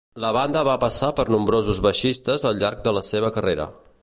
La banda va passar per nombrosos baixistes al llarg de la seva carrera.